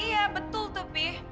iya betul tuh pi